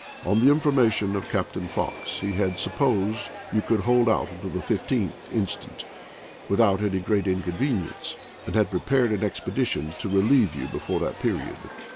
On the information of Captain Fox he had supposed you could hold out till the 15th inst. without any great inconvenience ; and had prepared an expedition to relieve you before that period.